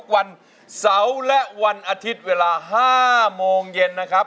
วันเสาร์และวันอาทิตย์เวลา๕โมงเย็นนะครับ